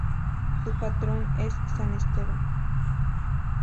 Su patrón es San Esteban.